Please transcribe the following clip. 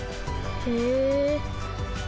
へえ。